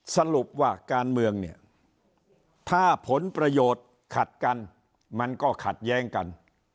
สรุปว่าการเมืองเนี่ยถ้าผลประโยชน์ขัดกันมันก็ขัดแย้งกัน